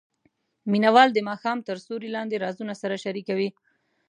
مینه وال د ماښام تر سیوري لاندې رازونه سره شریکوي.